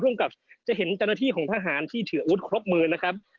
ร่วมกับจะเห็นจนที่ของทหารที่ถืออุดครบมือนะครับ